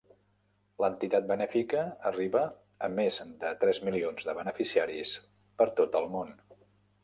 L'entitat benèfica arriba a més de tres milions de beneficiaris per tot el món.